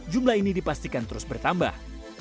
jumlah ini dipastikan terus bertambah